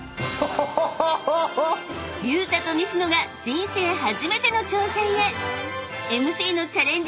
［隆太と西野が人生初めての挑戦へ］